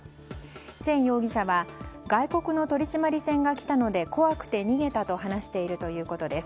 チェン容疑者は外国の取締船が来たので怖くて逃げたと話しているということです。